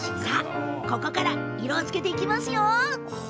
ここから色をつけていきます。